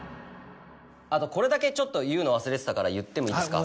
あとこれだけちょっと言うの忘れてたから言ってもいいですか？